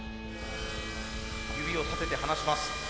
指を立てて離します。